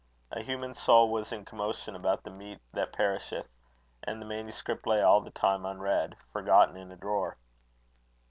A human soul was in commotion about the meat that perisheth and the manuscript lay all the time unread, forgotten in a drawer.